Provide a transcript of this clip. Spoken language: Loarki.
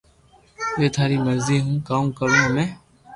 جي تاري مرزي ھون ڪاوُ ڪارو ھمي